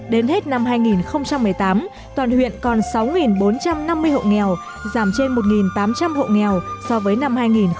đến hết năm hai nghìn một mươi tám toàn huyện còn sáu bốn trăm năm mươi hộ nghèo giảm trên một tám trăm linh hộ nghèo so với năm hai nghìn một mươi bảy